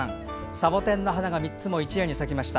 サボテンの花が３つも一夜に咲きました。